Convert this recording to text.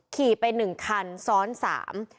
ขี่ไปหนึ่งคันซ้อนสาม